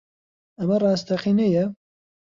ئەمە ڕاستەقینەیە؟